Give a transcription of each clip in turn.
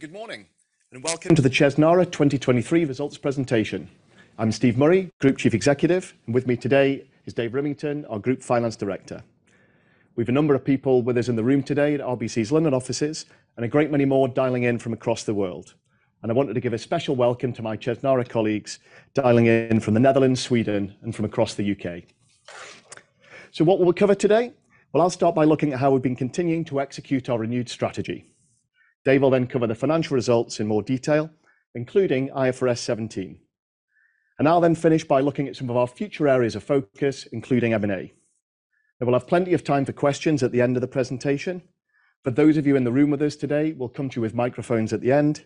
Good morning, and welcome to the Chesnara 2023 results presentation. I'm Steve Murray, Group Chief Executive, and with me today is Dave Rimmington, our Group Finance Director. We've a number of people with us in the room today at RBC's London offices, and a great many more dialing in from across the world. I wanted to give a special welcome to my Chesnara colleagues dialing in from the Netherlands, Sweden, and from across the U.K. What will we cover today? Well, I'll start by looking at how we've been continuing to execute our renewed strategy. Dave will then cover the financial results in more detail, including IFRS 17. I'll then finish by looking at some of our future areas of focus, including M&A. We'll have plenty of time for questions at the end of the presentation, but those of you in the room with us today, we'll come to you with microphones at the end,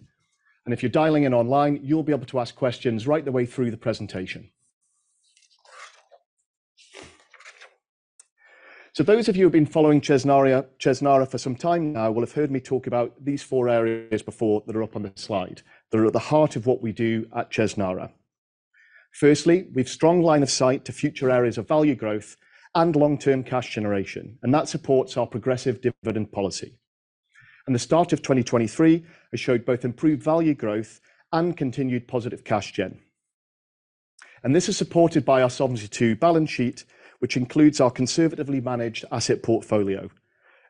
and if you're dialing in online, you'll be able to ask questions right the way through the presentation. Those of you who have been following Chesnara for some time now will have heard me talk about these four areas before that are up on the slide. They're at the heart of what we do at Chesnara. Firstly, we've strong line of sight to future areas of value growth and long-term cash generation, and that supports our progressive dividend policy. The start of 2023 has showed both improved value growth and continued positive cash gen. This is supported by our Solvency II balance sheet, which includes our conservatively managed asset portfolio,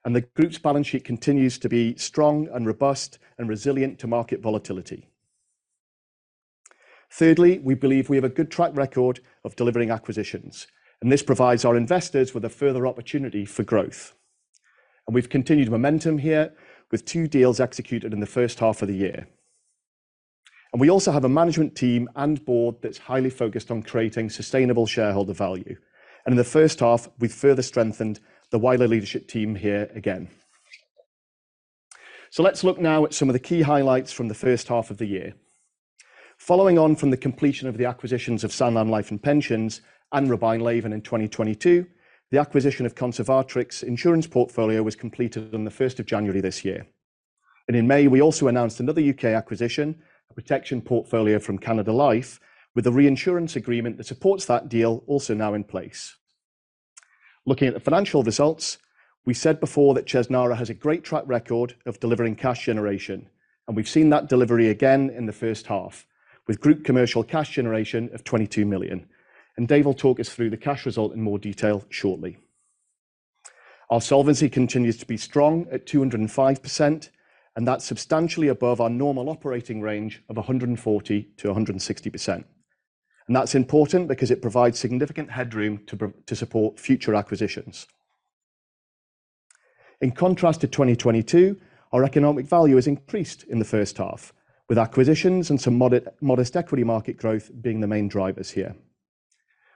and the group's balance sheet continues to be strong, and robust, and resilient to market volatility. Thirdly, we believe we have a good track record of delivering acquisitions, and this provides our investors with a further opportunity for growth. We've continued momentum here with two deals executed in the first half of the year. We also have a management team and board that's highly focused on creating sustainable shareholder value. In the first half, we further strengthened the wider leadership team here again. So let's look now at some of the key highlights from the first half of the year. Following on from the completion of the acquisitions of Sanlam Life & Pensions and Robein Leven in 2022, the acquisition of Conservatrix insurance portfolio was completed on the first of January this year. And in May, we also announced another U.K. acquisition, a protection portfolio from Canada Life, with a reinsurance agreement that supports that deal also now in place. Looking at the financial results, we said before that Chesnara has a great track record of delivering cash generation, and we've seen that delivery again in the first half, with group commercial cash generation of 22 million. And Dave will talk us through the cash result in more detail shortly. Our solvency continues to be strong at 205%, and that's substantially above our normal operating range of 140%-160%. That's important because it provides significant headroom to support future acquisitions. In contrast to 2022, our economic value has increased in the first half, with acquisitions and some modest equity market growth being the main drivers here.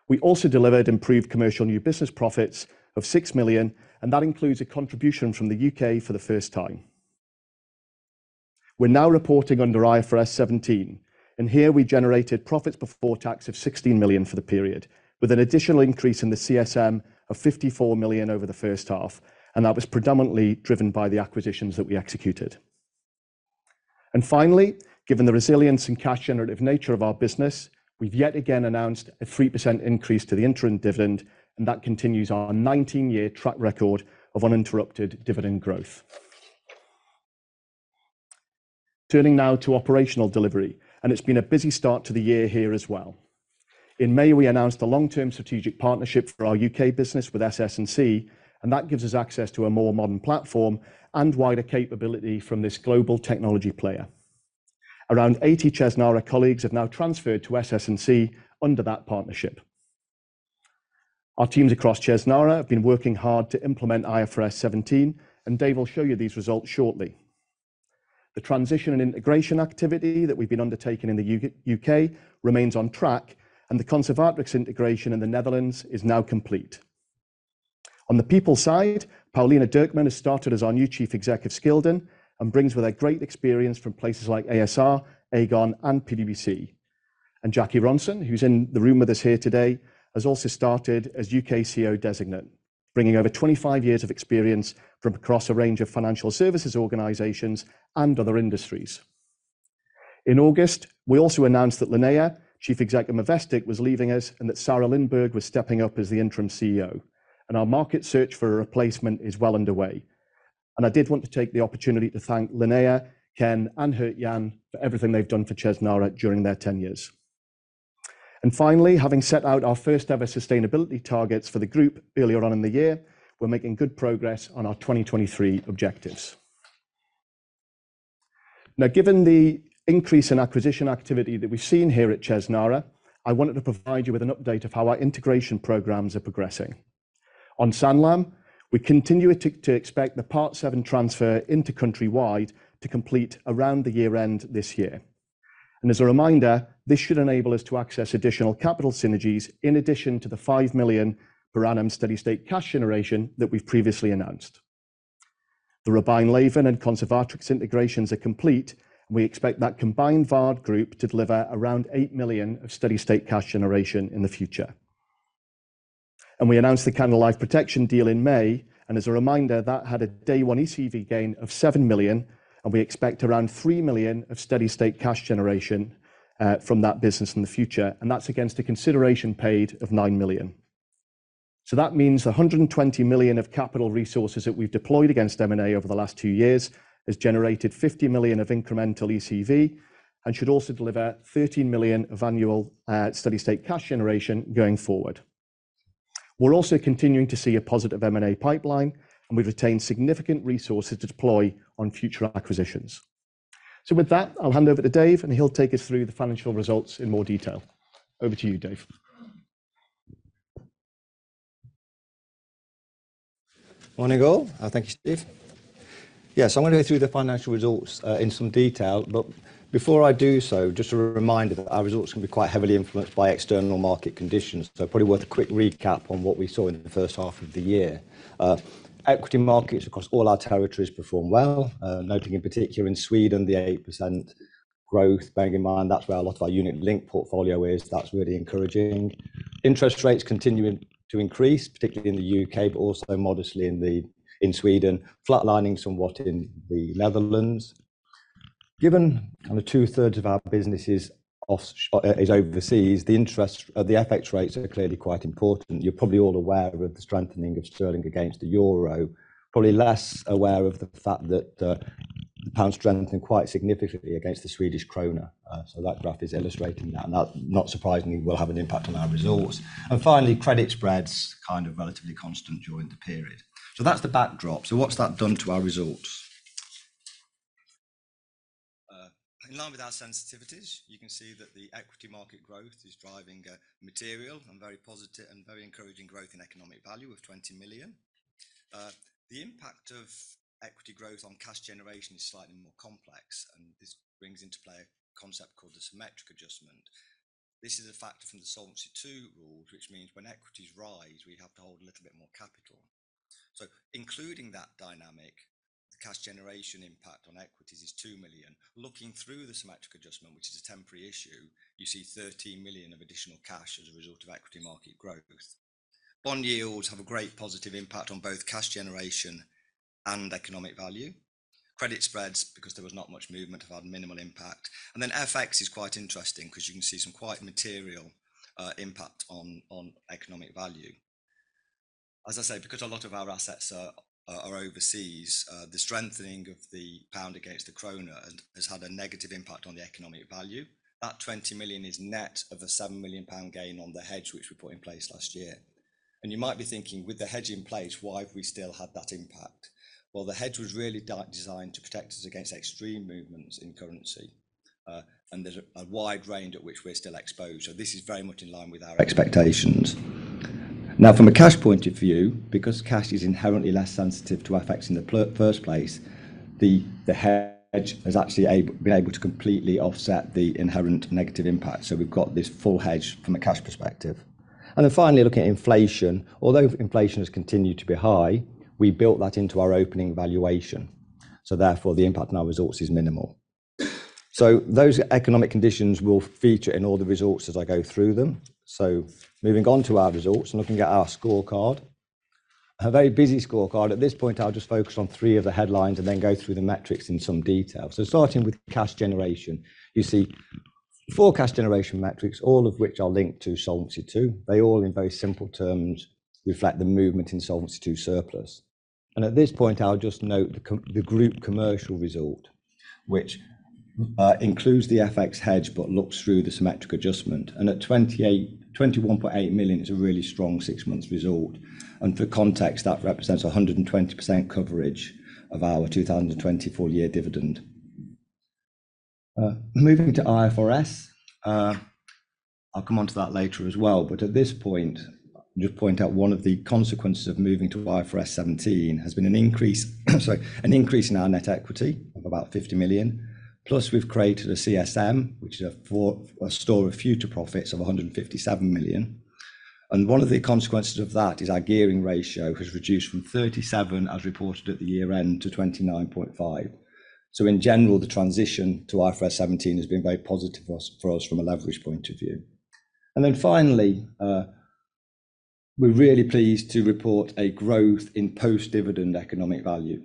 We also delivered improved commercial new business profits of 6 million, and that includes a contribution from the U.K. for the first time. We're now reporting under IFRS 17, and here we generated profits before tax of 16 million for the period, with an additional increase in the CSM of 54 million over the first half, and that was predominantly driven by the acquisitions that we executed. And finally, given the resilience and cash generative nature of our business, we've yet again announced a 3% increase to the interim dividend, and that continues our 19-year track record of uninterrupted dividend growth. Turning now to operational delivery, and it's been a busy start to the year here as well. In May, we announced a long-term strategic partnership for our U.K. business with SS&C, and that gives us access to a more modern platform and wider capability from this global technology player. Around 80 Chesnara colleagues have now transferred to SS&C under that partnership. Our teams across Chesnara have been working hard to implement IFRS 17, and Dave will show you these results shortly. The transition and integration activity that we've been undertaking in the UK remains on track, and the Conservatrix integration in the Netherlands is now complete. On the people side, Pauline Derkman has started as our new Chief Executive of Scildon, and brings with her great experience from places like a.s.r., Aegon, and PwC. Jackie Ronson, who's in the room with us here today, has also started as U.K. CEO Designate, bringing over 25 years of experience from across a range of financial services organizations and other industries. In August, we also announced that Linnéa, Chief Executive of Movestic, was leaving us and that Sara Lindberg was stepping up as the interim CEO, and our market search for a replacement is well underway. I did want to take the opportunity to thank Linnéa, Ken, and Gert Jan for everything they've done for Chesnara during their 10 years. Finally, having set out our first-ever sustainability targets for the group earlier on in the year, we're making good progress on our 2023 objectives. Now, given the increase in acquisition activity that we've seen here at Chesnara, I wanted to provide you with an update of how our integration programs are progressing. On Sanlam, we continue to expect the Part VII transfer into Countrywide to complete around the year-end this year. As a reminder, this should enable us to access additional capital synergies in addition to the 5 million per annum steady-state cash generation that we've previously announced. The Robein Leven and Conservatrix integrations are complete, and we expect that combined Waard Group to deliver around 8 million of steady-state cash generation in the future. And we announced the Canada Life Protection deal in May, and as a reminder, that had a day one EcV gain of 7 million, and we expect around 3 million of steady-state cash generation from that business in the future, and that's against a consideration paid of 9 million. So that means 120 million of capital resources that we've deployed against M&A over the last two years, has generated 50 million of incremental EcV, and should also deliver 13 million of annual, steady-state cash generation going forward. We're also continuing to see a positive M&A pipeline, and we've retained significant resources to deploy on future acquisitions. So with that, I'll hand over to Dave, and he'll take us through the financial results in more detail. Over to you, Dave. Morning, all. Thank you, Steve. Yes, I'm going to go through the financial results in some detail, but before I do so, just a reminder that our results can be quite heavily influenced by external market conditions. Probably worth a quick recap on what we saw in the first half of the year. Equity markets across all our territories performed well, notably in particular in Sweden, the 8% growth, bearing in mind that's where a lot of our unit link portfolio is. That's really encouraging. Interest rates continuing to increase, particularly in the U.K., but also modestly in Sweden. Flatlining somewhat in the Netherlands. Given kind of 2/3 of our business is overseas, the interest of the FX rates are clearly quite important. You're probably all aware of the strengthening of sterling against the euro. Probably less aware of the fact that, the pound strengthened quite significantly against the Swedish krona. So that graph is illustrating that, and that, not surprisingly, will have an impact on our results. And finally, credit spreads kind of relatively constant during the period. So that's the backdrop. So what's that done to our results? In line with our sensitivities, you can see that the equity market growth is driving, material and very positive and very encouraging growth in economic value of 20 million. The impact of equity growth on cash generation is slightly more complex, and this brings into play a concept called the symmetric adjustment. This is a factor from the Solvency II rules, which means when equities rise, we have to hold a little bit more capital. So including that dynamic, the cash generation impact on equities is 2 million. Looking through the symmetric adjustment, which is a temporary issue, you see 13 million of additional cash as a result of equity market growth. Bond yields have a great positive impact on both cash generation and economic value. Credit spreads, because there was not much movement, have had minimal impact. FX is quite interesting because you can see some quite material impact on economic value. As I said, because a lot of our assets are overseas, the strengthening of the pound against the krona has had a negative impact on the economic value. That 20 million is net of a 7 million pound gain on the hedge, which we put in place last year. You might be thinking, with the hedge in place, why have we still had that impact? Well, the hedge was really designed to protect us against extreme movements in currency, and there's a wide range at which we're still exposed, so this is very much in line with our expectations. Now, from a cash point of view, because cash is inherently less sensitive to FX in the first place, the hedge has actually been able to completely offset the inherent negative impact, so we've got this full hedge from a cash perspective. And then finally, looking at inflation. Although inflation has continued to be high, we built that into our opening valuation, so therefore, the impact on our results is minimal. So those economic conditions will feature in all the results as I go through them. So moving on to our results and looking at our scorecard. A very busy scorecard. At this point, I'll just focus on three of the headlines and then go through the metrics in some detail. So starting with cash generation. You see four cash generation metrics, all of which are linked to Solvency II. They all, in very simple terms, reflect the movement in Solvency II surplus. And at this point, I'll just note the group commercial result, which includes the FX hedge, but looks through the symmetric adjustment, and at 21.8 million, it's a really strong six months result. And for context, that represents 120% coverage of our 2020 full year dividend. Moving to IFRS. I'll come onto that later as well, but at this point, just point out one of the consequences of moving to IFRS 17 has been an increase, sorry, an increase in our net equity of about 50 million, plus we've created a CSM, which is a store of future profits of 157 million. And one of the consequences of that is our gearing ratio has reduced from 37, as reported at the year-end, to 29.5. So in general, the transition to IFRS 17 has been very positive for us, for us from a leverage point of view. And then finally, we're really pleased to report a growth in post-dividend economic value.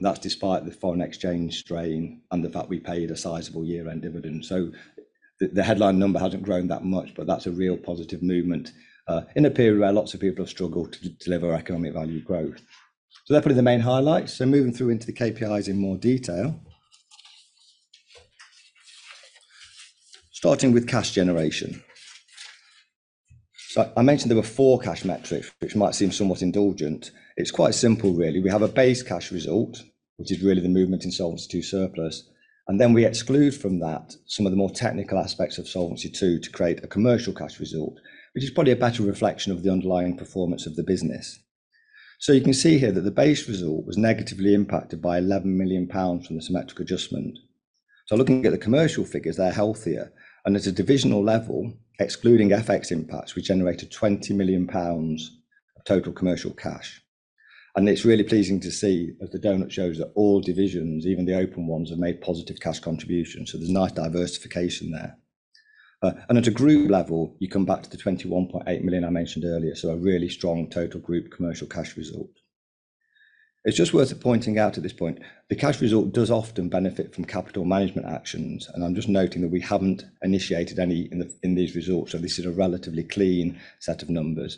That's despite the foreign exchange strain and the fact we paid a sizable year-end dividend. So the headline number hasn't grown that much, but that's a real positive movement in a period where lots of people have struggled to deliver Economic Value growth. So they're probably the main highlights. So moving through into the KPIs in more detail. Starting with cash generation. So I mentioned there were four cash metrics, which might seem somewhat indulgent. It's quite simple really. We have a base cash result, which is really the movement in Solvency II surplus, and then we exclude from that some of the more technical aspects of Solvency II to create a commercial cash result, which is probably a better reflection of the underlying performance of the business. So you can see here that the base result was negatively impacted by 11 million pounds from the Symmetric Adjustment. So looking at the commercial figures, they're healthier, and at a divisional level, excluding FX impacts, we generated 20 million pounds of total commercial cash. And it's really pleasing to see, as the donut shows, that all divisions, even the open ones, have made positive cash contributions, so there's nice diversification there. And at a group level, you come back to the 21.8 million I mentioned earlier, so a really strong total group commercial cash result. It's just worth pointing out at this point, the cash result does often benefit from capital management actions, and I'm just noting that we haven't initiated any in these results, so this is a relatively clean set of numbers.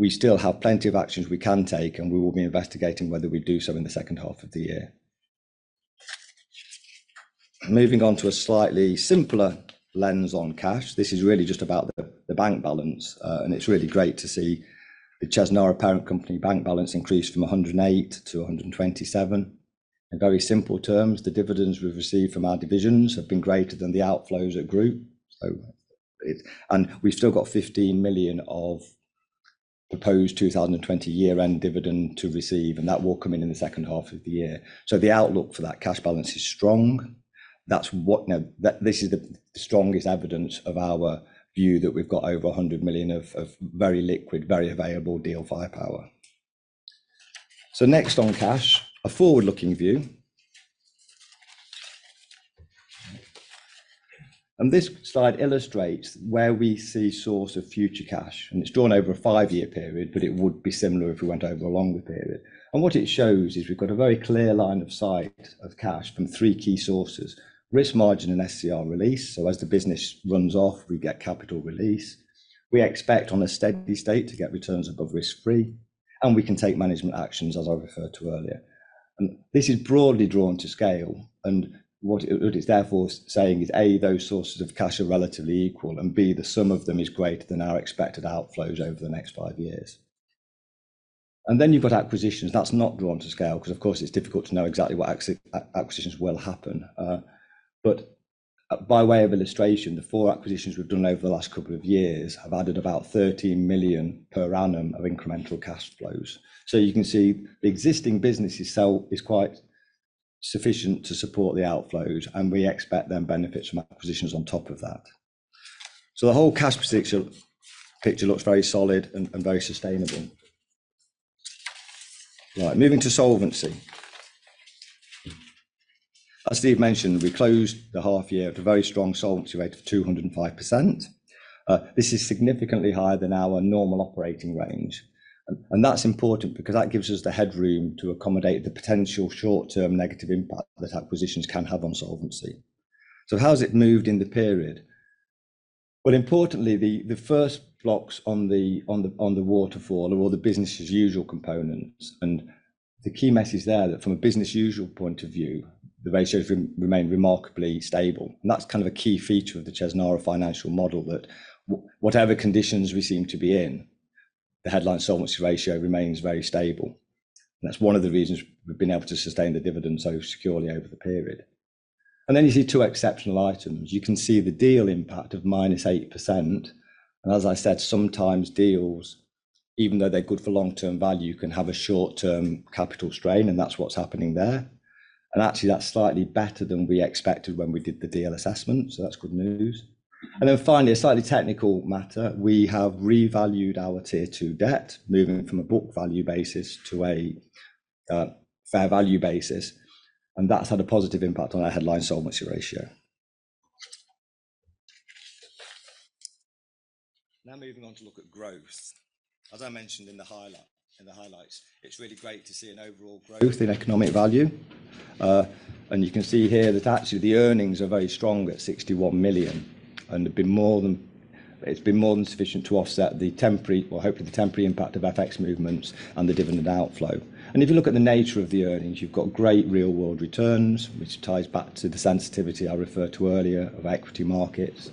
We still have plenty of actions we can take, and we will be investigating whether we do so in the second half of the year. Moving on to a slightly simpler lens on cash. This is really just about the, the bank balance, and it's really great to see the Chesnara parent company bank balance increase from 108 million to 127 million. In very simple terms, the dividends we've received from our divisions have been greater than the outflows at group. It-And we've still got 15 million of proposed 2020 year-end dividend to receive, and that will come in in the second half of the year. The outlook for that cash balance is strong. That's what. Now, that, this is the strongest evidence of our view, that we've got over 100 million of, of very liquid, very available deal firepower. Next on cash, a forward-looking view. This slide illustrates where we see sources of future cash, and it's drawn over a five-year period, but it would be similar if we went over a longer period. What it shows is we've got a very clear line of sight of cash from three key sources: risk margin and SCR release, so as the business runs off, we get capital release. We expect on a steady state to get returns above risk-free, and we can take management actions, as I referred to earlier. This is broadly drawn to scale, and what it, what it's therefore saying is, A, those sources of cash are relatively equal, and B, the sum of them is greater than our expected outflows over the next five years. Then you've got acquisitions. That's not drawn to scale because, of course, it's difficult to know exactly what acquisitions will happen. But, by way of illustration, the four acquisitions we've done over the last couple of years have added about 13 million per annum of incremental cash flows. So you can see the existing business itself is quite sufficient to support the outflows, and we expect then benefits from acquisitions on top of that. So the whole cash picture looks very solid and very sustainable. Right, moving to solvency. As Steve mentioned, we closed the half year at a very strong solvency rate of 205%. This is significantly higher than our normal operating range, and that's important because that gives us the headroom to accommodate the potential short-term negative impact that acquisitions can have on solvency. So how has it moved in the period? Well, importantly, the first blocks on the waterfall are all the business as usual components, and the key message there, that from a business as usual point of view, the ratios remain remarkably stable. That's kind of a key feature of the Chesnara financial model, that whatever conditions we seem to be in, the headline solvency ratio remains very stable. That's one of the reasons we've been able to sustain the dividend so securely over the period. Then you see two exceptional items. You can see the deal impact of -8%, and as I said, sometimes deals, even though they're good for long-term value, can have a short-term capital strain, and that's what's happening there. Actually, that's slightly better than we expected when we did the deal assessment, so that's good news. Finally, a slightly technical matter, we have revalued our Tier 2 debt, moving from a book value basis to a fair value basis, and that's had a positive impact on our headline solvency ratio. Now, moving on to look at growth. As I mentioned in the highlights, it's really great to see an overall growth in economic value. You can see here that actually the earnings are very strong at 61 million, and have been more than. It's been more than sufficient to offset the temporary, or hopefully the temporary, impact of FX movements and the dividend outflow. If you look at the nature of the earnings, you've got great real-world returns, which ties back to the sensitivity I referred to earlier of equity markets,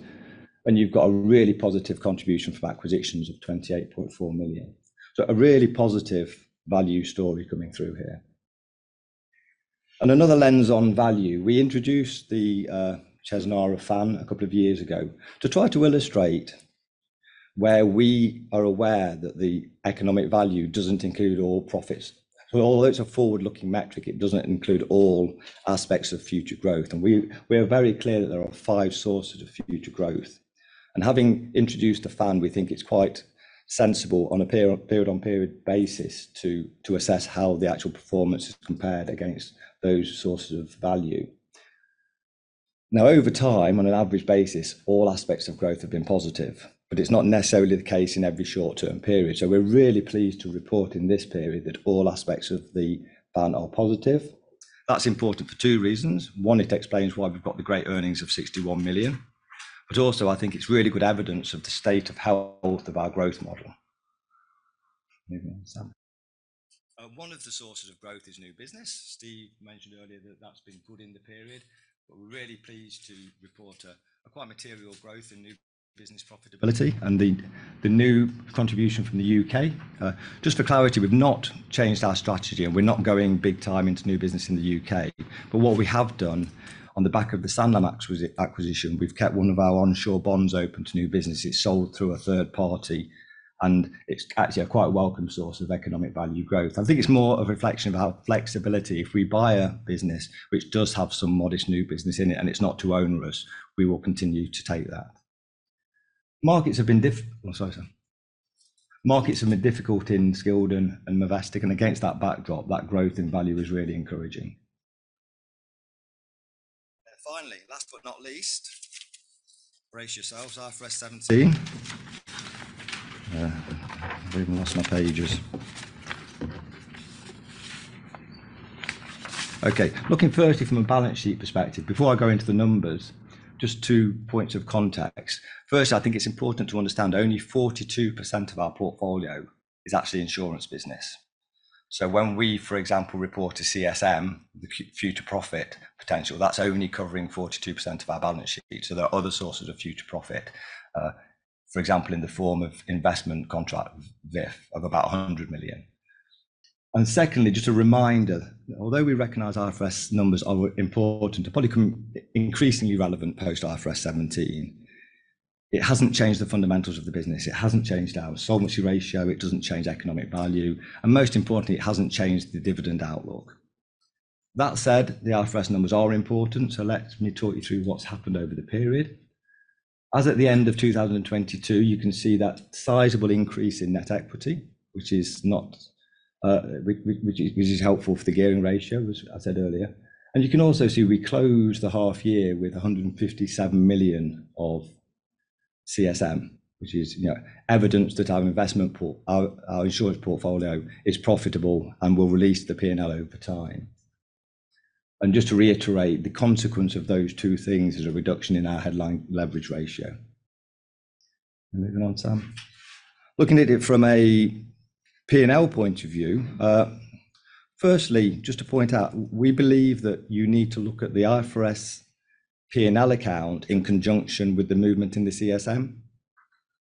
and you've got a really positive contribution from acquisitions of 28.4 million. A really positive value story coming through here. Another lens on value, we introduced the Chesnara Fan a couple of years ago to try to illustrate where we are aware that the economic value doesn't include all profits. Although it's a forward-looking metric, it doesn't include all aspects of future growth, and we are very clear that there are five sources of future growth. Having introduced the Fan, we think it's quite sensible on a period-on-period basis to assess how the actual performance is compared against those sources of value. Over time, on an average basis, all aspects of growth have been positive, but it's not necessarily the case in every short-term period. We're really pleased to report in this period that all aspects of the Fan are positive. That's important for two reasons. One, it explains why we've got the great earnings of 61 million, but also, I think it's really good evidence of the state of health of our growth model. Moving on, Sam. One of the sources of growth is new business. Steve mentioned earlier that that's been good in the period, but we're really pleased to report a quite material growth in new business profitability and the new contribution from the U.K. Just for clarity, we've not changed our strategy, and we're not going big time into new business in the U.K. But what we have done on the back of the Sanlam acquisition, we've kept one of our onshore bonds open to new business. It's sold through a third party, and it's actually a quite welcome source of economic value growth. I think it's more a reflection of our flexibility. If we buy a business which does have some modest new business in it, and it's not too onerous, we will continue to take that. I'm sorry, Sam. Markets have been difficult in Scildon and Movestic, and against that backdrop, that growth in value is really encouraging. Brace yourselves, IFRS 17. I've even lost my pages. Okay, looking firstly from a balance sheet perspective, before I go into the numbers, just two points of context. First, I think it's important to understand only 42% of our portfolio is actually insurance business. So when we, for example, report to CSM, the future profit potential, that's only covering 42% of our balance sheet. So there are other sources of future profit, for example, in the form of investment contract VIF of about 100 million. And secondly, just a reminder, although we recognize IFRS numbers are important and probably increasingly relevant post IFRS 17, it hasn't changed the fundamentals of the business. It hasn't changed our solvency ratio, it doesn't change economic value, and most importantly, it hasn't changed the dividend outlook. That said, the IFRS numbers are important, so let me talk you through what's happened over the period. As at the end of 2022, you can see that sizable increase in net equity, which is not, which is helpful for the gearing ratio, as I said earlier. And you can also see we closed the half year with 157 million of CSM, which is, you know, evidence that our insurance portfolio is profitable and will release the P&L over time. Just to reiterate, the consequence of those two things is a reduction in our headline leverage ratio. Moving on, Sam. Looking at it from a P&L point of view, firstly, just to point out, we believe that you need to look at the IFRS P&L account in conjunction with the movement in the CSM.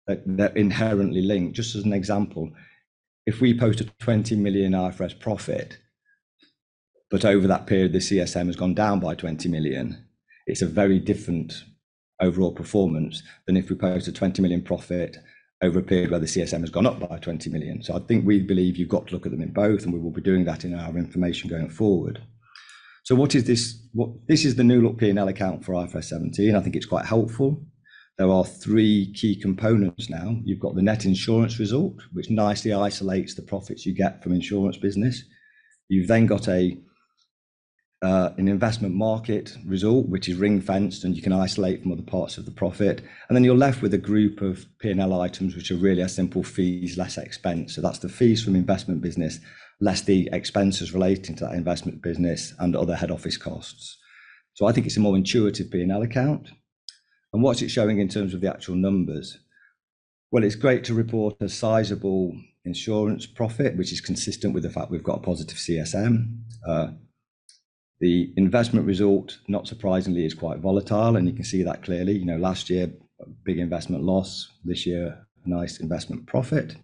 That, they're inherently linked. Just as an example, if we post a 20 million IFRS profit, but over that period the CSM has gone down by 20 million, it's a very different overall performance than if we post a 20 million profit over a period where the CSM has gone up by 20 million. So I think we believe you've got to look at them in both, and we will be doing that in our information going forward. So what is this. This is the new look P&L account for IFRS 17, I think it's quite helpful. There are three key components now. You've got the net insurance result, which nicely isolates the profits you get from insurance business. You've then got an investment market result, which is ring-fenced, and you can isolate from other parts of the profit. And then you're left with a group of P&L items, which are really a simple fees less expense. So that's the fees from investment business, less the expenses relating to that investment business and other head office costs. So I think it's a more intuitive P&L account. And what's it showing in terms of the actual numbers? Well, it's great to report a sizable insurance profit, which is consistent with the fact we've got a positive CSM. The investment result, not surprisingly, is quite volatile, and you can see that clearly. You know, last year, a big investment loss; this year, a nice investment profit.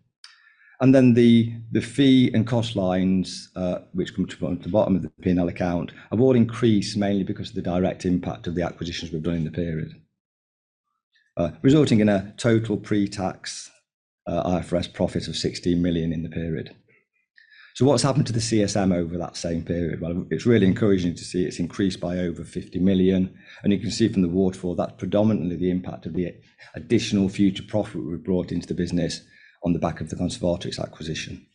And then the fee and cost lines, which come to the bottom of the P&L account, have all increased mainly because of the direct impact of the acquisitions we've done in the period, resulting in a total pre-tax IFRS profit of 16 million in the period. So what's happened to the CSM over that same period? Well, it's really encouraging to see it's increased by over 50 million, and you can see from the waterfall, that's predominantly the impact of the additional future profit we brought into the business on the back of the Conservatrix acquisition.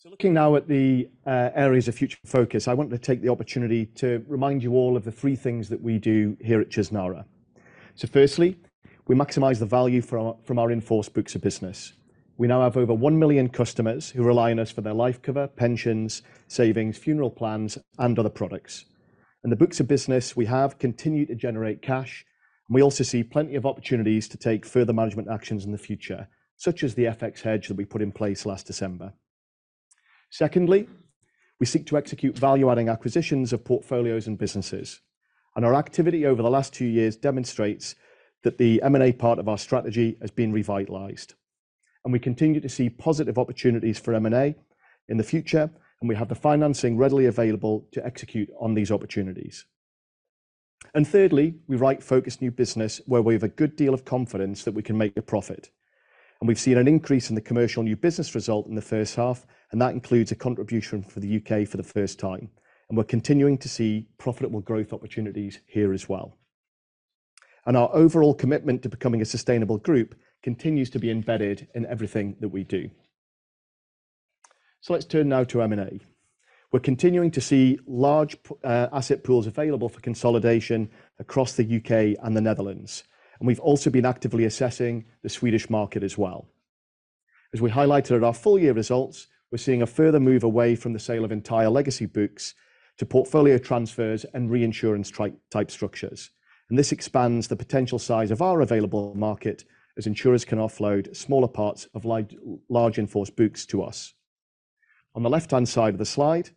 I'll hand back to Steve. Thanks, Steve. Looking now at the areas of future focus, I want to take the opportunity to remind you all of the three things that we do here at Chesnara. Firstly, we maximize the value from our in-force books of business. We now have over 1 million customers who rely on us for their life cover, pensions, savings, funeral plans, and other products. The books of business we have continue to generate cash, and we also see plenty of opportunities to take further management actions in the future, such as the FX hedge that we put in place last December. Secondly, we seek to execute value-adding acquisitions of portfolios and businesses, and our activity over the last two years demonstrates that the M&A part of our strategy has been revitalized. We continue to see positive opportunities for M&A in the future, and we have the financing readily available to execute on these opportunities. Thirdly, we write focused new business where we have a good deal of confidence that we can make a profit. We've seen an increase in the commercial new business result in the first half, and that includes a contribution for the U.K. for the first time, and we're continuing to see profitable growth opportunities here as well. Our overall commitment to becoming a sustainable group continues to be embedded in everything that we do. Let's turn now to M&A. We're continuing to see large asset pools available for consolidation across the U.K. and the Netherlands, and we've also been actively assessing the Swedish market as well. As we highlighted at our full year results, we're seeing a further move away from the sale of entire legacy books to portfolio transfers and reinsurance type structures. This expands the potential size of our available market as insurers can offload smaller parts of large in-force books to us. On the left-hand side of the slide,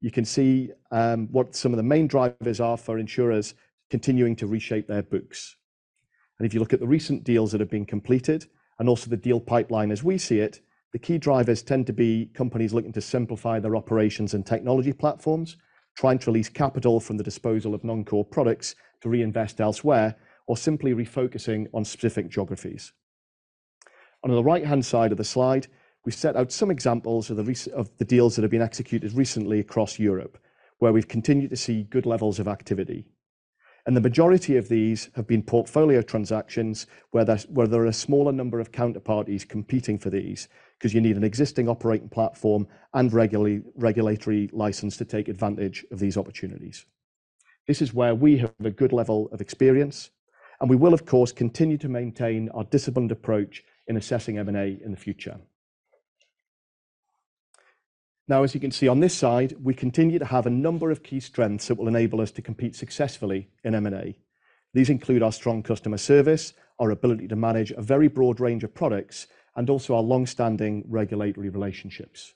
you can see what some of the main drivers are for insurers continuing to reshape their books. If you look at the recent deals that have been completed and also the deal pipeline as we see it, the key drivers tend to be companies looking to simplify their operations and technology platforms, trying to release capital from the disposal of non-core products to reinvest elsewhere, or simply refocusing on specific geographies. On the right-hand side of the slide, we've set out some examples of the recent deals that have been executed recently across Europe, where we've continued to see good levels of activity. The majority of these have been portfolio transactions, where there's, where there are a smaller number of counterparties competing for these 'cause you need an existing operating platform and regulatory license to take advantage of these opportunities. This is where we have a good level of experience, and we will, of course, continue to maintain our disciplined approach in assessing M&A in the future. Now, as you can see on this side, we continue to have a number of key strengths that will enable us to compete successfully in M&A. These include our strong customer service, our ability to manage a very broad range of products, and also our long-standing regulatory relationships.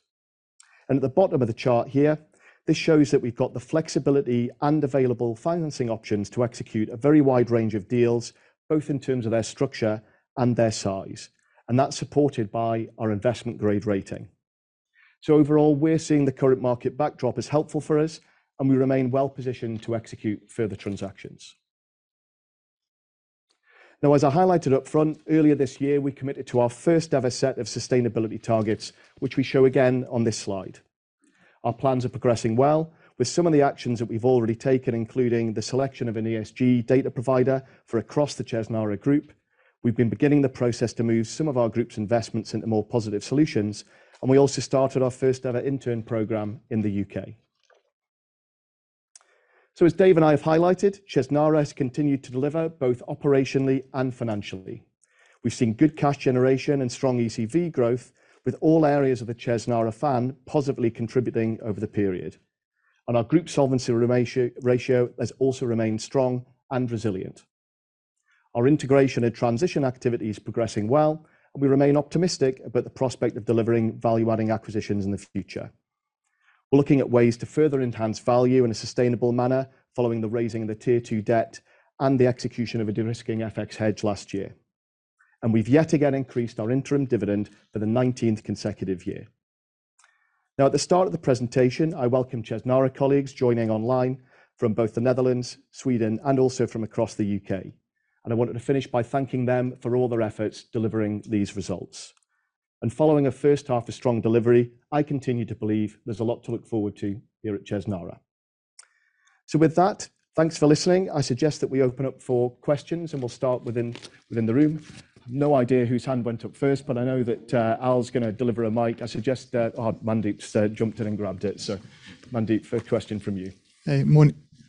At the bottom of the chart here, this shows that we've got the flexibility and available financing options to execute a very wide range of deals, both in terms of their structure and their size. That's supported by our investment grade rating. Overall, we're seeing the current market backdrop as helpful for us, and we remain well-positioned to execute further transactions. Now, as I highlighted up front, earlier this year, we committed to our first-ever set of sustainability targets, which we show again on this slide. Our plans are progressing well, with some of the actions that we've already taken, including the selection of an ESG data provider for across the Chesnara group. We've been beginning the process to move some of our group's investments into more positive solutions, and we also started our first-ever intern program in the U.K. As Dave and I have highlighted, Chesnara has continued to deliver both operationally and financially. We've seen good cash generation and strong EcV growth, with all areas of the Chesnara Fan positively contributing over the period. Our group solvency ratio has also remained strong and resilient. Our integration and transition activity is progressing well, and we remain optimistic about the prospect of delivering value-adding acquisitions in the future. We're looking at ways to further enhance value in a sustainable manner, following the raising of the Tier 2 debt and the execution of a de-risking FX hedge last year. We've yet again increased our interim dividend for the 19th consecutive year. Now, at the start of the presentation, I welcomed Chesnara colleagues joining online from both the Netherlands, Sweden, and also from across the U.K., and I wanted to finish by thanking them for all their efforts delivering these results. And following a first half of strong delivery, I continue to believe there's a lot to look forward to here at Chesnara. So with that, thanks for listening. I suggest that we open up for questions, and we'll start within the room. No idea whose hand went up first, but I know that Al's gonna deliver a mic. I suggest that. Oh, Mandeep's jumped in and grabbed it. So Mandeep, first question from you. Hey,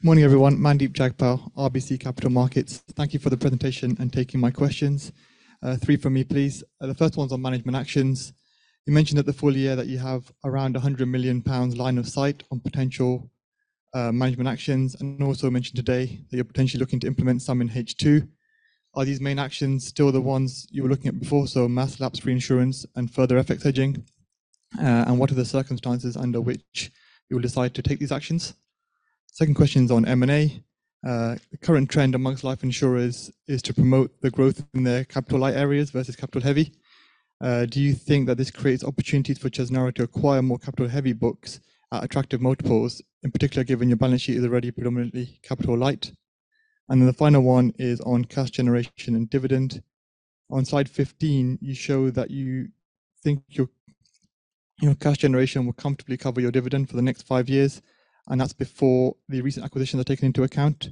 morning, everyone. Mandeep Jagpal, RBC Capital Markets. Thank you for the presentation and taking my questions. Three from me, please. The first one's on management actions. You mentioned at the full year that you have around 100 million pounds line of sight on potential management actions, and also mentioned today that you're potentially looking to implement some in H2. Are these main actions still the ones you were looking at before, so mass lapse, reinsurance, and further FX hedging? And what are the circumstances under which you will decide to take these actions? Second question is on M&A. The current trend among life insurers is to promote the growth in their capital light areas versus capital heavy. Do you think that this creates opportunities for Chesnara to acquire more capital-heavy books at attractive multiples, in particular, given your balance sheet is already predominantly capital light? Then the final one is on cash generation and dividend. On slide 15, you show that you think your, your cash generation will comfortably cover your dividend for the next five years, and that's before the recent acquisitions are taken into account.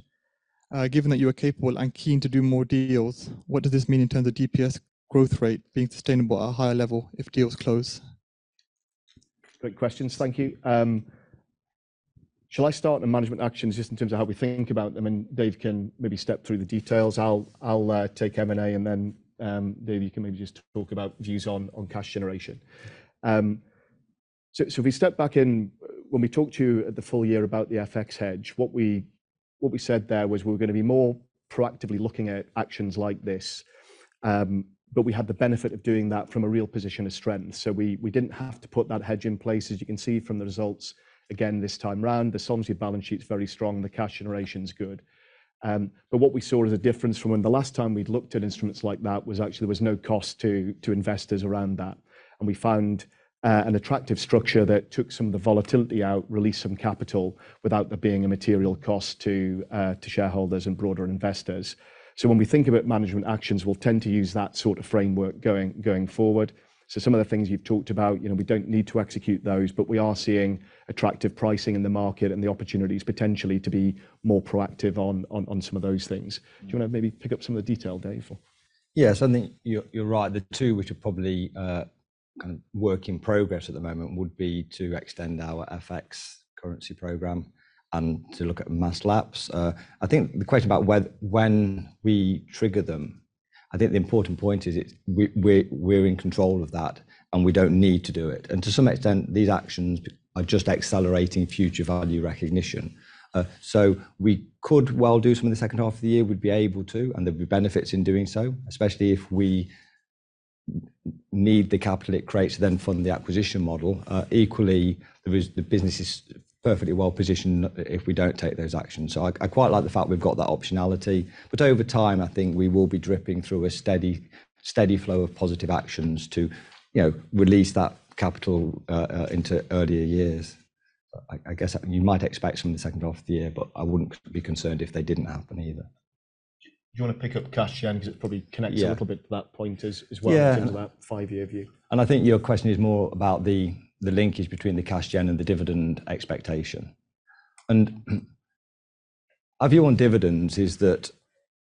Given that you are capable and keen to do more deals, what does this mean in terms of DPS growth rate being sustainable at a higher level if deals close? Great questions. Thank you. Shall I start on management actions just in terms of how we think about them, and Dave can maybe step through the details? I'll, I'll, take M&A, and then, Dave, you can maybe just talk about views on, on cash generation. So, so if we step back in. When we talked to you at the full year about the FX hedge, what we, what we said there was we were gonna be more proactively looking at actions like this. But we had the benefit of doing that from a real position of strength. So we, we didn't have to put that hedge in place. As you can see from the results, again, this time around, the solvency balance sheet's very strong, the cash generation's good. But what we saw as a difference from when the last time we'd looked at instruments like that was actually there was no cost to investors around that. And we found an attractive structure that took some of the volatility out, released some capital, without there being a material cost to shareholders and broader investors. So when we think about management actions, we'll tend to use that sort of framework going forward. So some of the things you've talked about, you know, we don't need to execute those, but we are seeing attractive pricing in the market and the opportunities potentially to be more proactive on some of those things. Do you wanna maybe pick up some of the detail, Dave, for- Yes, I think you're right. The two which are probably kind of work in progress at the moment would be to extend our FX currency program and to look at mass laps. I think the question about when we trigger them, I think the important point is it's. We're in control of that, and we don't need to do it. To some extent, these actions are just accelerating future value recognition. We could well do some in the second half of the year, we'd be able to, and there'd be benefits in doing so, especially if we need the capital it creates to then fund the acquisition model. Equally, the business is perfectly well positioned if we don't take those actions. So I quite like the fact we've got that optionality, but over time, I think we will be dripping through a steady, steady flow of positive actions to, you know, release that capital into earlier years. I guess you might expect some in the second half of the year, but I wouldn't be concerned if they didn't happen either. Do you want to pick up cash gen, because it probably connects- Yeah a little bit to that point as, as well- Yeah in terms of that five-year view. And I think your question is more about the linkage between the cash gen and the dividend expectation. And our view on dividends is that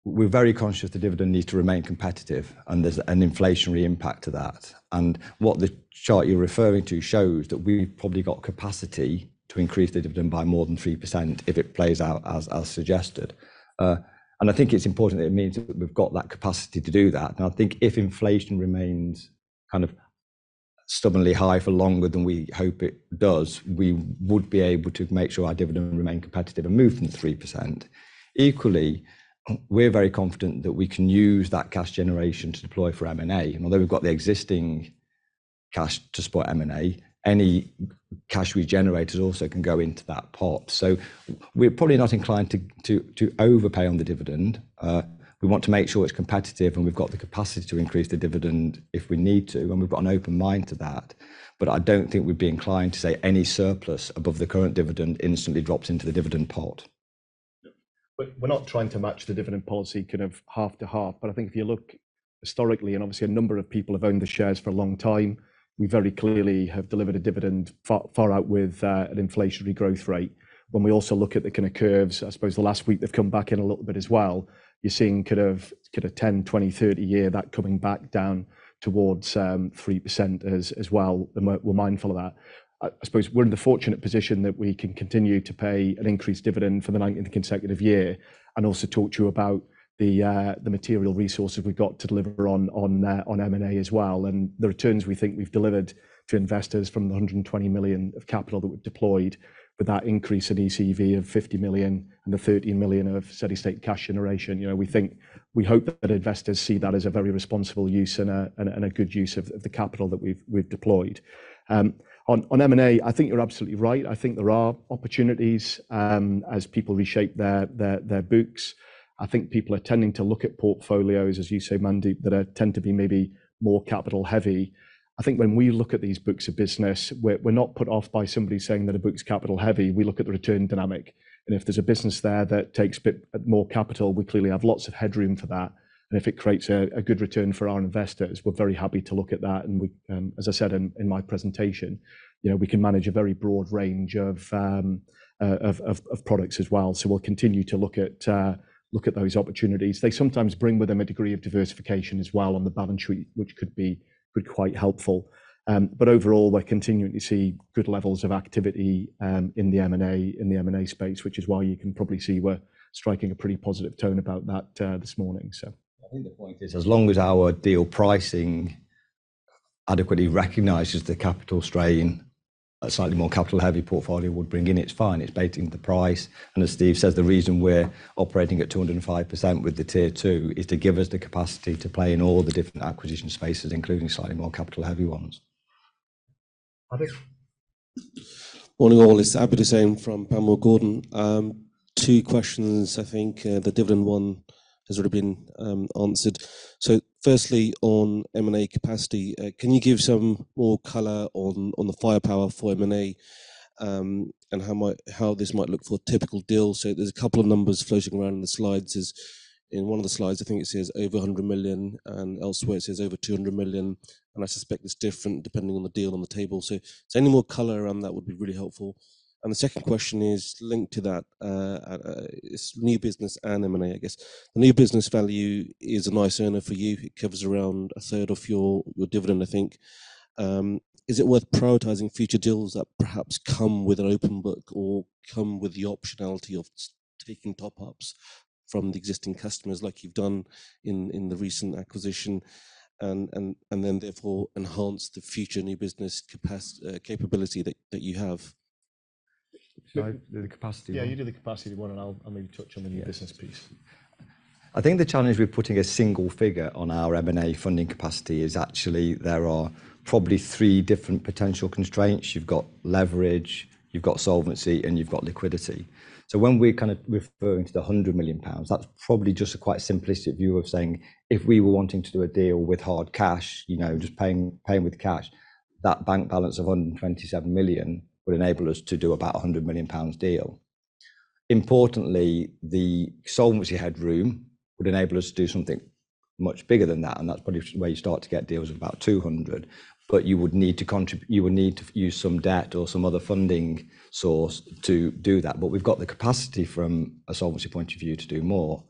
we're very conscious the dividend needs to remain competitive, and there's an inflationary impact to that. And what the chart you're referring to shows that we've probably got capacity to increase the dividend by more than 3% if it plays out as suggested. And I think it's important that it means that we've got that capacity to do that. And I think if inflation remains kind of stubbornly high for longer than we hope it does, we would be able to make sure our dividend remain competitive and move from 3%. Equally, we're very confident that we can use that cash generation to deploy for M&A. Although we've got the existing cash to support M&A, any cash we generated also can go into that pot. So we're probably not inclined to overpay on the dividend. We want to make sure it's competitive, and we've got the capacity to increase the dividend if we need to, and we've got an open mind to that. But I don't think we'd be inclined to say any surplus above the current dividend instantly drops into the dividend pot. But we're not trying to match the dividend policy kind of half to half. But I think if you look historically, and obviously a number of people have owned the shares for a long time, we very clearly have delivered a dividend far, far out with an inflationary growth rate. When we also look at the kind of curves, I suppose the last week they've come back in a little bit as well. You're seeing kind of, kind of 10-, 20-, 30-year, that coming back down towards three percent as well, and we're, we're mindful of that. I suppose we're in the fortunate position that we can continue to pay an increased dividend for the 19th consecutive year, and also talk to you about the material resources we've got to deliver on, on, on M&A as well. The returns we think we've delivered to investors from the 120 million of capital that we've deployed, with that increase in EcV of 50 million and the 13 million of steady-state cash generation. You know, we think, we hope that investors see that as a very responsible use and a, and a, and a good use of, of the capital that we've, we've deployed. You know, on M&A, I think you're absolutely right. I think there are opportunities, as people reshape their, their, their books. I think people are tending to look at portfolios, as you say, Mandeep, that are tend to be maybe more capital heavy. I think when we look at these books of business, we're, we're not put off by somebody saying that a book's capital heavy. We look at the return dynamic, and if there's a business there that takes a bit more capital, we clearly have lots of headroom for that. And if it creates a good return for our investors, we're very happy to look at that. And we, as I said in my presentation, you know, we can manage a very broad range of products as well. So we'll continue to look at those opportunities. They sometimes bring with them a degree of diversification as well on the balance sheet, which could be quite helpful. But overall, we're continuing to see good levels of activity in the M&A space, which is why you can probably see we're striking a pretty positive tone about that this morning, so. I think the point is, as long as our deal pricing adequately recognizes the capital strain, a slightly more capital-heavy portfolio would bring in, it's fine. It's baking the price. And as Steve says, the reason we're operating at 205% with the Tier 2 is to give us the capacity to play in all the different acquisition spaces, including slightly more capital-heavy ones. Abid? Morning, all. It's Abid Hussain from Panmure Gordon. Two questions. I think the dividend one has already been answered. Firstly, on M&A capacity, can you give some more color on the firepower for M&A, and how this might look for a typical deal? There's a couple of numbers floating around in the slides. In one of the slides, I think it says over 100 million, and elsewhere it says over 200 million, and I suspect it's different depending on the deal on the table. Any more color around that would be really helpful. The second question is linked to that. It's new business and M&A, I guess. The new business value is a nice earner for you. It covers around 1/3 of your dividend, I think. Is it worth prioritizing future deals that perhaps come with an open book or come with the optionality of taking top-ups from the existing customers like you've done in the recent acquisition, and then therefore enhance the future new business capability that you have? Should I do the capacity one? Yeah, you do the capacity one, and I'll, I'll maybe touch on the new business piece. I think the challenge with putting a single figure on our M&A funding capacity is actually there are probably three different potential constraints. You've got leverage, you've got solvency, and you've got liquidity. So when we're kind of referring to the 100 million pounds, that's probably just a quite simplistic view of saying if we were wanting to do a deal with hard cash, you know, just paying, paying with cash, that bank balance of 127 million would enable us to do about a 100 million pounds deal. Importantly, the solvency headroom would enable us to do something much bigger than that, and that's probably where you start to get deals of about 200 million. But you would need to use some debt or some other funding source to do that. We've got the capacity from a solvency point of view to do more.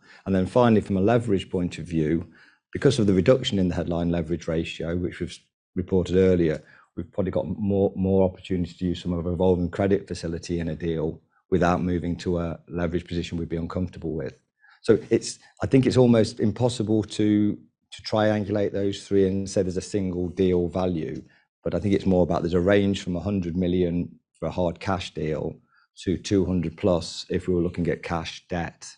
Finally, from a leverage point of view, because of the reduction in the headline leverage ratio, which we've reported earlier, we've probably got more opportunity to use some of revolving credit facility in a deal without moving to a leverage position we'd be uncomfortable with. It's- I think it's almost impossible to triangulate those three and say there's a single deal value, but I think it's more about there's a range from 100 million for a hard cash deal to 200 million+ if we were looking at cash debt.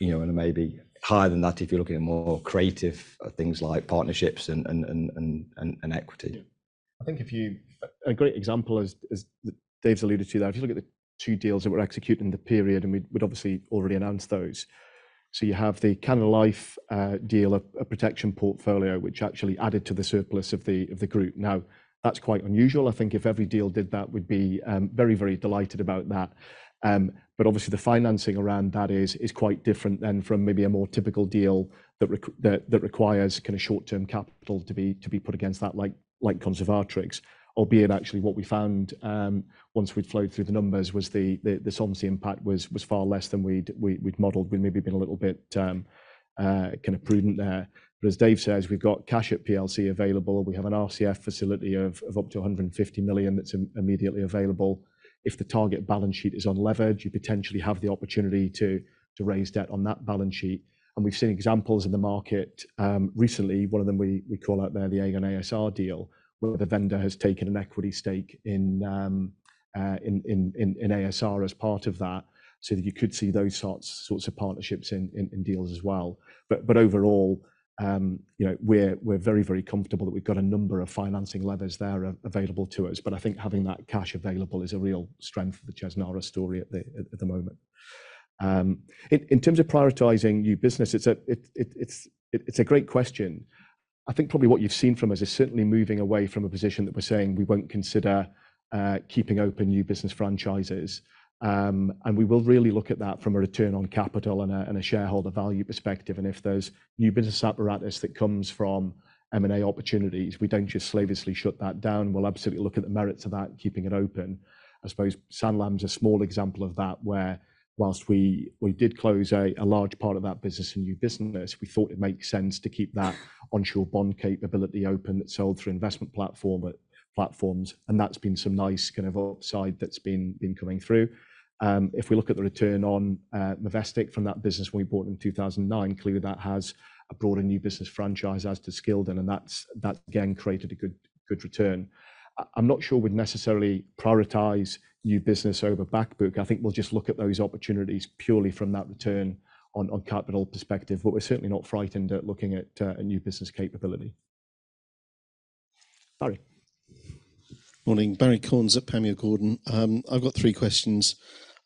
You know, and it may be higher than that if you're looking at more creative things like partnerships and, and, and, and equity. I think if you, a great example is, is, Dave's alluded to that. If you look at the two deals that were executed in the period, we'd obviously already announced those. You have the Canada Life deal, a protection portfolio, which actually added to the surplus of the group. Now, that's quite unusual. I think if every deal did that, we'd be very, very delighted about that. Obviously the financing around that is quite different than from maybe a more typical deal that requires kind of short-term capital to be put against that, like Conservatrix. Albeit, actually, what we found, once we'd flowed through the numbers, was the solvency impact was far less than we'd modelled. We'd maybe been a little bit kind of prudent there. But as Dave says, we've got cash at PLC available. We have an RCF facility of up to 150 million that's immediately available. If the target balance sheet is on leverage, you potentially have the opportunity to raise debt on that balance sheet, and we've seen examples in the market. Recently, one of them we call out there, the Aegon-ASR deal, where the vendor has taken an equity stake in ASR as part of that, so that you could see those sorts of partnerships in deals as well. But overall, you know, we're very comfortable that we've got a number of financing levers there available to us. But I think having that cash available is a real strength of the Chesnara story at the moment. In terms of prioritizing new business, it's a great question. I think probably what you've seen from us is certainly moving away from a position that we're saying we won't consider keeping open new business franchises. And we will really look at that from a return on capital and a shareholder value perspective. And if there's new business apparatus that comes from M&A opportunities, we don't just slavishly shut that down. We'll absolutely look at the merits of that, keeping it open. I suppose Sanlam is a small example of that, where while we did close a large part of that business and new business, we thought it made sense to keep that onshore bond capability open. It sold through investment platforms, and that's been some nice kind of upside that's been coming through. If we look at the return on Movestic from that business we bought in 2009, clearly, that has a broader new business franchise as to Scildon, and that's again created a good return. I'm not sure we'd necessarily prioritize new business over back book. I think we'll just look at those opportunities purely from that return on capital perspective, but we're certainly not frightened at looking at a new business capability. Barrie? Morning, Barrie Cornes at Panmure Gordon. I've got three questions.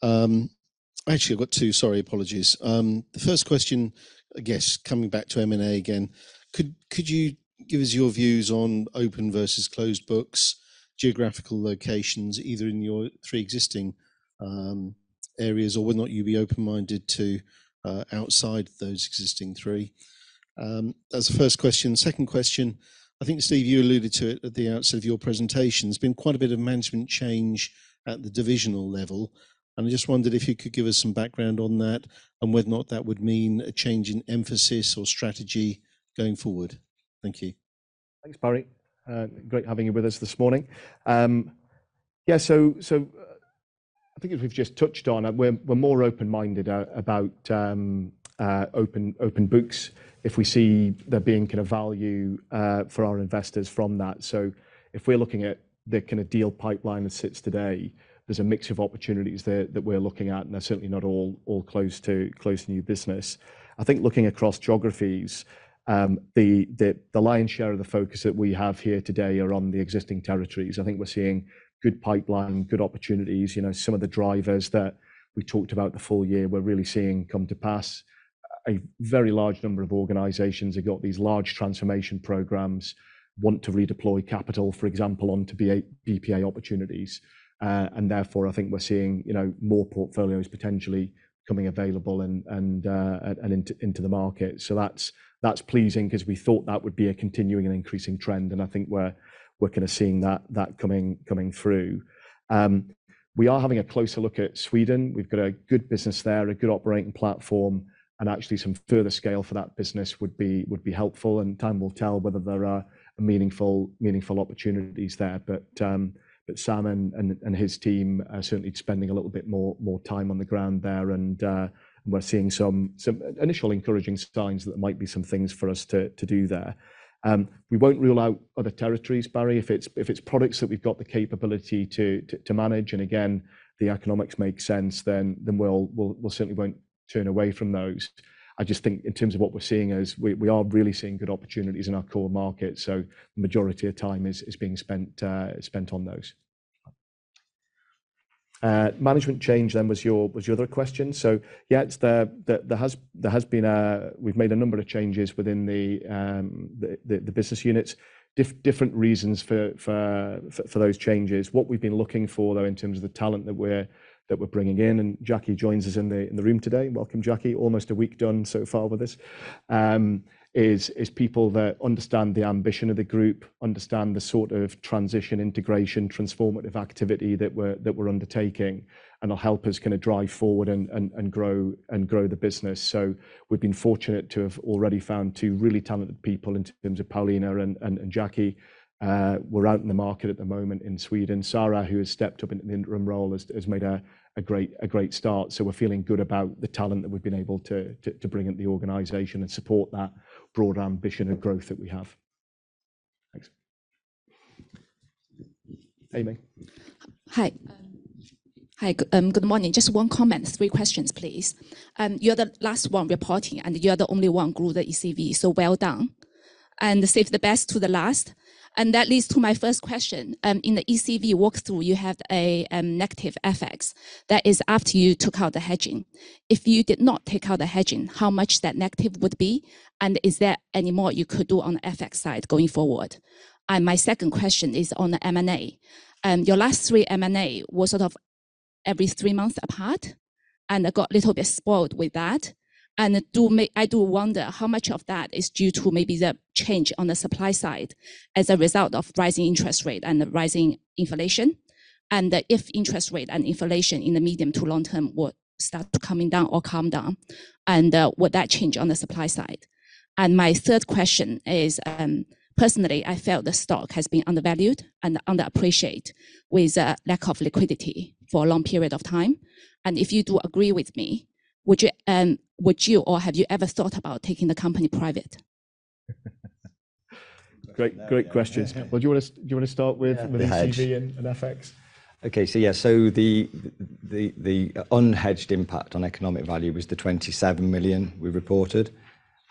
Actually, I've got two, sorry, apologies. The first question, I guess, coming back to M&A again, could you give us your views on open versus closed books, geographical locations, either in your three existing areas, or would not you be open-minded to outside those existing three? That's the first question. Second question, I think, Steve, you alluded to it at the outset of your presentation. There's been quite a bit of management change at the divisional level, and I just wondered if you could give us some background on that and whether or not that would mean a change in emphasis or strategy going forward. Thank you. Thanks, Barrie. Great having you with us this morning. Yeah, so I think as we've just touched on, we're more open-minded about open books if we see there being kind of value for our investors from that. So if we're looking at the kind of deal pipeline that sits today, there's a mix of opportunities there that we're looking at, and they're certainly not all closed to new business. I think looking across geographies, the lion's share of the focus that we have here today are on the existing territories. I think we're seeing good pipeline, good opportunities. You know, some of the drivers that we talked about the full year, we're really seeing come to pass. A very large number of organizations have got these large transformation programs, want to redeploy capital, for example, onto BA, BPA opportunities. I think we're seeing, you know, more portfolios potentially becoming available and, and into, into the market. That's pleasing 'cause we thought that would be a continuing and increasing trend, and I think we're, we're kinda seeing that, that coming, coming through. We are having a closer look at Sweden. We've got a good business there, a good operating platform, and actually some further scale for that business would be, would be helpful, and time will tell whether there are meaningful, meaningful opportunities there. But Sam and his team are certainly spending a little bit more time on the ground there, and we're seeing some initial encouraging signs that there might be some things for us to do there. We won't rule out other territories, Barrie. If it's products that we've got the capability to manage, and again, the economics make sense, then we'll certainly won't turn away from those. I just think in terms of what we're seeing is we are really seeing good opportunities in our core market, so the majority of time is being spent on those. Management change then was your other question? So, yeah, it's there. There has been a-- we've made a number of changes within the, the, the business units. Different reasons for those changes. What we've been looking for, though, in terms of the talent that we're bringing in, and Jackie joins us in the room today. Welcome, Jackie. Almost a week done so far with this, is people that understand the ambition of the group, understand the sort of transition, integration, transformative activity that we're undertaking, and will help us kinda drive forward and grow, and grow the business. We've been fortunate to have already found two really talented people in terms of Pauline and Jackie. We're out in the market at the moment in Sweden. Sara, who has stepped up in an interim role, has made a great start. So we're feeling good about the talent that we've been able to bring in the organization and support that broad ambition and growth that we have. Thanks. Amy? Hi. Hi, good morning. Just one comment, three questions, please. You're the last one reporting, and you're the only one who grew the EcV, so well done. And save the best to the last, and that leads to my first question. In the EcV walkthrough, you have a negative FX. That is after you took out the hedging. If you did not take out the hedging, how much that negative would be, and is there any more you could do on the FX side going forward? And my second question is on the M&A. Your last three M&A were sort of every three months apart, and it got a little bit spoiled with that. I do wonder how much of that is due to maybe the change on the supply side as a result of rising interest rate and the rising inflation, and if interest rate and inflation in the medium to long term will start coming down or calm down, and would that change on the supply side? My third question is, personally, I felt the stock has been undervalued and underappreciated, with a lack of liquidity for a long period of time. If you do agree with me, would you or have you ever thought about taking the company private? Great, great questions. Well, do you wanna, do you wanna start with- Yeah, the hedge. EcV and FX? Okay, so yeah. So the unhedged impact on economic value was the 27 million we reported,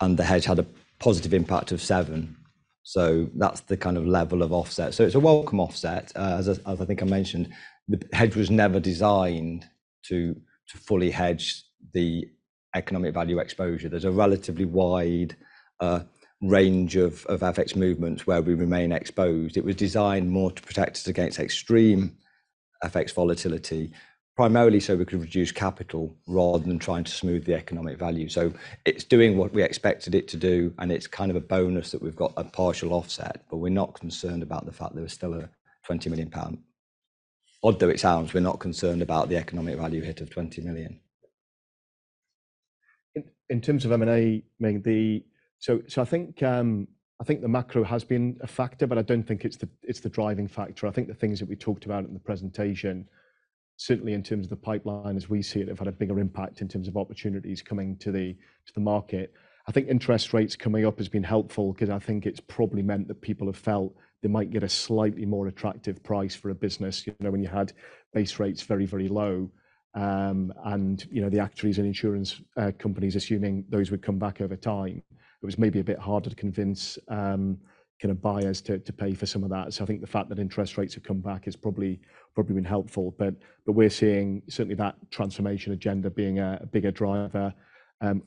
and the hedge had a positive impact of 7. So that's the kind of level of offset. So it's a welcome offset. As I think I mentioned, the hedge was never designed to fully hedge the economic value exposure. There's a relatively wide range of FX movements where we remain exposed. It was designed more to protect us against extreme FX volatility, primarily so we could reduce capital rather than trying to smooth the economic value. So it's doing what we expected it to do, and it's kind of a bonus that we've got a partial offset, but we're not concerned about the fact that there's still a 20 million pound. Odd though it sounds, we're not concerned about the economic value hit of 20 million. In terms of M&A, maybe I think the macro has been a factor, but I don't think it's the driving factor. I think the things that we talked about in the presentation, certainly in terms of the pipeline, as we see it, have had a bigger impact in terms of opportunities coming to the market. I think interest rates coming up has been helpful 'cause I think it's probably meant that people have felt they might get a slightly more attractive price for a business. You know, when you had base rates very, very low, and you know, the actuaries and insurance companies, assuming those would come back over time, it was maybe a bit harder to convince kind of buyers to pay for some of that. So I think the fact that interest rates have come back has probably been helpful. But we're seeing certainly that transformation agenda being a bigger driver.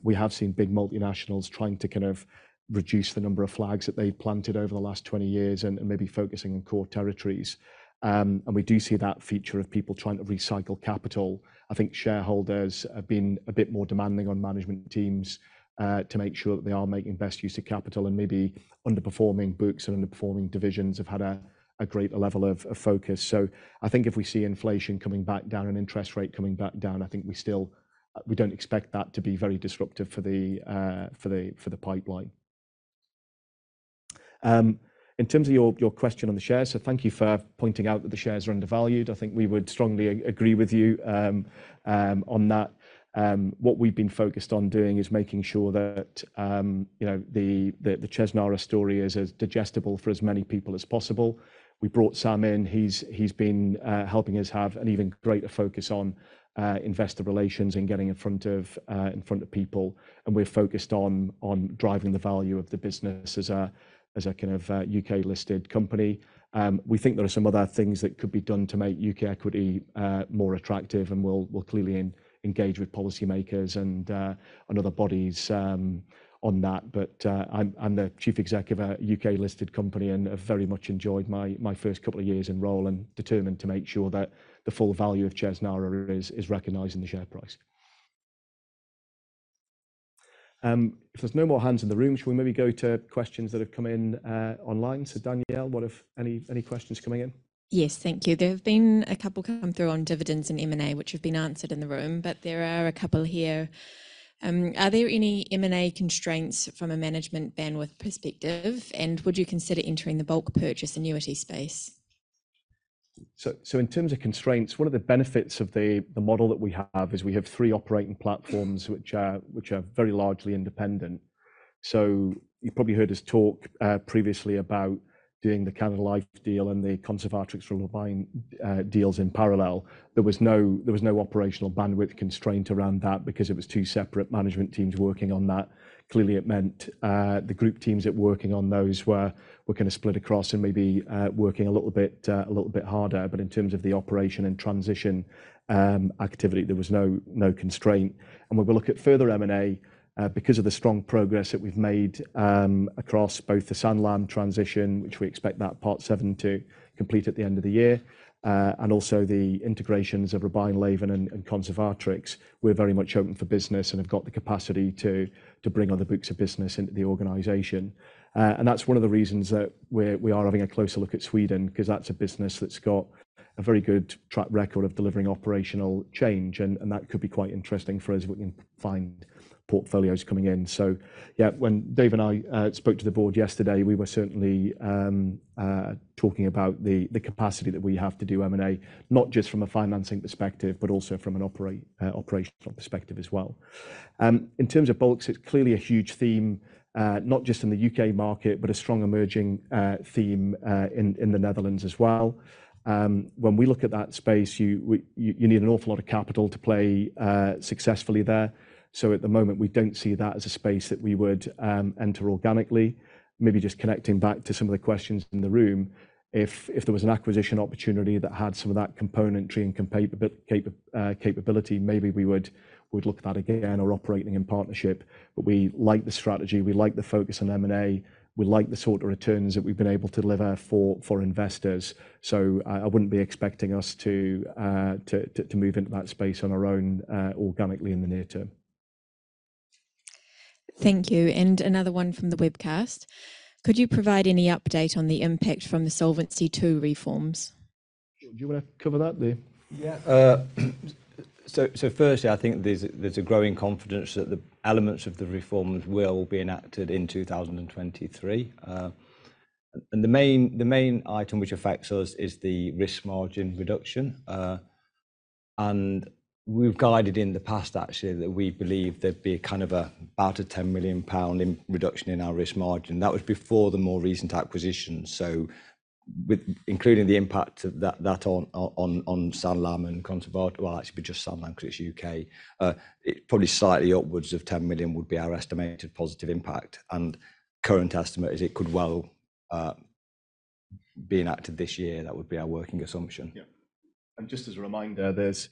We have seen big multinationals trying to kind of reduce the number of flags that they've planted over the last 20 years and maybe focusing on core territories. And we do see that feature of people trying to recycle capital. I think shareholders have been a bit more demanding on management teams to make sure that they are making best use of capital, and maybe underperforming books and underperforming divisions have had a greater level of focus. So I think if we see inflation coming back down and interest rate coming back down, I think we still don't expect that to be very disruptive for the pipeline. In terms of your, your question on the shares, so thank you for pointing out that the shares are undervalued. I think we would strongly agree with you on that. What we've been focused on doing is making sure that you know, the Chesnara story is as digestible for as many people as possible. We brought Sam in. He's been helping us have an even greater focus on investor relations and getting in front of people. And we're focused on driving the value of the business as a kind of U.K.-listed company. We think there are some other things that could be done to make U.K. equity more attractive, and we'll clearly engage with policymakers and other bodies on that. I'm the chief executive at a U.K.-listed company, and I've very much enjoyed my first couple of years in role and determined to make sure that the full value of Chesnara is recognized in the share price. If there's no more hands in the room, shall we maybe go to questions that have come in online? Danielle, what have. Any, any questions coming in? Yes. Thank you. There have been a couple come through on dividends and M&A, which have been answered in the room, but there are a couple here. Are there any M&A constraints from a management bandwidth perspective, and would you consider entering the bulk purchase annuity space? So in terms of constraints, one of the benefits of the model that we have is we have three operating platforms, which are very largely independent. So you probably heard us talk previously about doing the Canada Life deal and the Conservatrix, Robein deals in parallel. There was no operational bandwidth constraint around that because it was two separate management teams working on that. Clearly, it meant the group teams that working on those were kind of split across and maybe working a little bit harder. But in terms of the operation and transition activity, there was no constraint. And we will look at further M&A, because of the strong progress that we've made, across both the Sanlam transition, which we expect that Part VII to complete at the end of the year, and also the integrations of Robein Leven and Conservatrix. We're very much open for business and have got the capacity to bring other books of business into the organization. And that's one of the reasons that we are having a closer look at Sweden, 'cause that's a business that's got a very good track record of delivering operational change, and that could be quite interesting for us if we can find portfolios coming in. So yeah, when Dave and I spoke to the board yesterday, we were certainly talking about the capacity that we have to do M&A, not just from a financing perspective, but also from an operational perspective as well. In terms of bulks, it's clearly a huge theme, not just in the U.K. market, but a strong emerging theme in the Netherlands as well. When we look at that space, you need an awful lot of capital to play successfully there. So at the moment, we don't see that as a space that we would enter organically. Maybe just connecting back to some of the questions in the room, if there was an acquisition opportunity that had some of that componentry and capability, maybe we would, we'd look at that again or operating in partnership. But we like the strategy, we like the focus on M&A, we like the sort of returns that we've been able to deliver for investors. So I wouldn't be expecting us to move into that space on our own, organically in the near term. Thank you. Another one from the webcast: Could you provide any update on the impact from the Solvency II reforms? Do you wanna cover that, Dave? Yeah. So firstly, I think there's a growing confidence that the elements of the reforms will be enacted in 2023. The main item which affects us is the risk margin reduction. We've guided in the past, actually, that we believe there'd be about a 10 million pound reduction in our risk margin. That was before the more recent acquisition. Including the impact of that on Sanlam and Continental, well, actually, just Sanlam because it's U.K., it probably slightly upwards of 10 million would be our estimated positive impact, and current estimate is it could well be enacted this year. That would be our working assumption. Yeah. Just as a reminder, there's.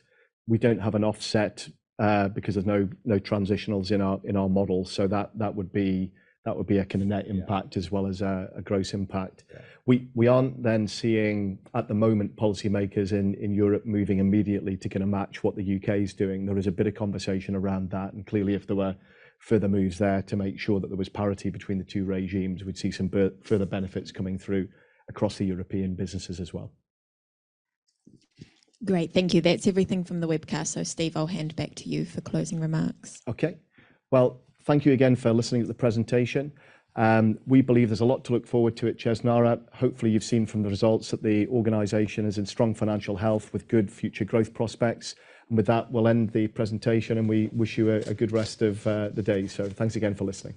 We don't have an offset, because there's no transitionals in our model, so that would be a kind of net impact as well as a gross impact. Yeah. We aren't then seeing, at the moment, policymakers in Europe moving immediately to kinda match what the U.K. is doing. There is a bit of conversation around that, and clearly, if there were further moves there to make sure that there was parity between the two regimes, we'd see some further benefits coming through across the European businesses as well. Great, thank you. That's everything from the webcast. So, Steve, I'll hand back to you for closing remarks. Okay. Well, thank you again for listening to the presentation. We believe there's a lot to look forward to at Chesnara. Hopefully, you've seen from the results that the organization is in strong financial health with good future growth prospects. And with that, we'll end the presentation, and we wish you a good rest of the day. So thanks again for listening.